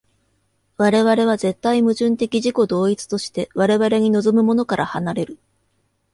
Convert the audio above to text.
我々は絶対矛盾的自己同一として我々に臨むものから離れる。